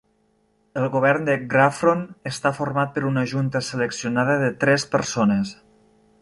El govern de Grafron està format per una junta seleccionada de tres persones.